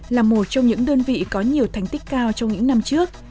là một trong những đơn vị có nhiều thành tích cao trong những năm trước